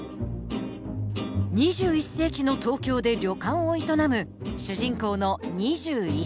２１世紀のトウキョウで旅館を営む主人公の２１エモン。